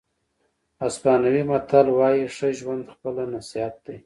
اسپانوي متل وایي ښه ژوند خپله نصیحت دی.